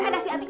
ada sih abi